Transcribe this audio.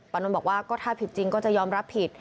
นนท์บอกว่าก็ถ้าผิดจริงก็จะยอมรับผิด